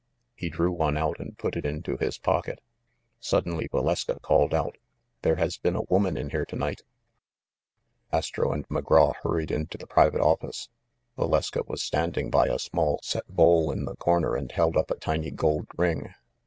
He drew one out and put it into his pocket. Suddenly Valeska called out, "There has been a woman in here to night !" Astro and McGraw hurried into the private office. Valeska was standing by a small set bowl in the cor ner and held up a tiny gold ring.